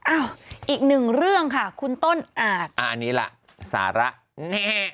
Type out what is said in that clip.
อ้าวอีก๑เรื่องค่ะคุณต้นอ่าอันนี้ล่ะสาระแน่นอน